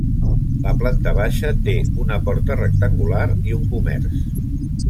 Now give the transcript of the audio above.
La planta baixa té una porta rectangular i un comerç.